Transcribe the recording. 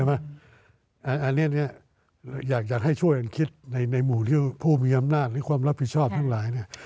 อันนี้อยากให้ช่วยกันคิดในหมู่ที่ผู้มีอำนาจหรือความรับผิดชอบทั้งหลาย